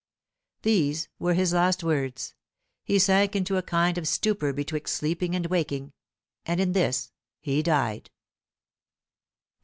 These were his last words. He sank into a kind of stupor betwixt sleeping and waking, and in this he died.